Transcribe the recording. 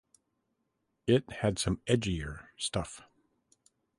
It had some edgier stuff.